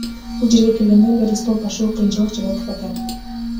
Бул жерге келгенден бери стол ташуу кыйынчылык жаратып атат.